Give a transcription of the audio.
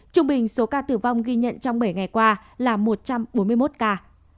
trung bình số ca tử vong ghi nhận trong bảy ngày qua là một trăm bốn mươi một ca